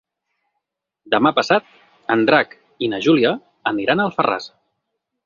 Demà passat en Drac i na Júlia aniran a Alfarràs.